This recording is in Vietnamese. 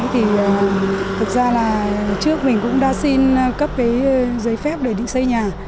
thì thực ra là trước mình cũng đã xin cấp cái giấy phép để định xây nhà